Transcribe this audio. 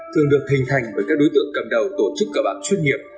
thường được hình thành với các đối tượng cầm đầu tổ chức cả bạc chuyên nghiệp